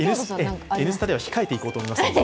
「Ｎスタ」では控えていこうと思います。